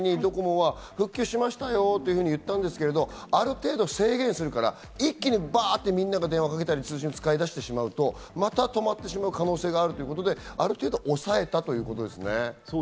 ７時５７分ぐらいにドコモは復旧しましたよというふうに言ったんですけど、ある程度制限するから、一気にバっとみんなが電話をかけたり、通信を使い出してしまうと、また止まってしまう可能性があるということで、ある程度、抑えたということですね。